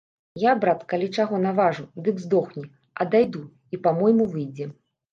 Я, брат, калі чаго наважу, дык здохні, а дайду, і па-мойму выйдзе.